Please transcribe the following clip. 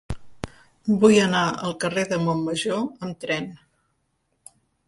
Vull anar al carrer de Montmajor amb tren.